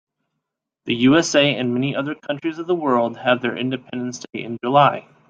The USA and many other countries of the world have their independence day in July.